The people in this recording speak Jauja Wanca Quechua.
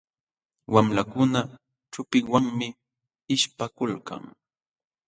Wamlakuna chupinwanmi ishpakulkan.